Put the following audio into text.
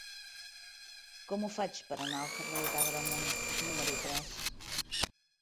Com ho faig per anar al carrer d'Agramunt número tres?